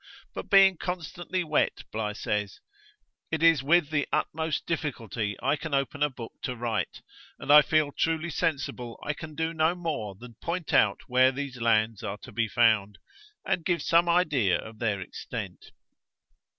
But being constantly wet, Bligh says, 'it is with the utmost difficulty I can open a book to write, and I feel truly sensible I can do no more than point out where these lands are to be found, and give some idea of their extent.'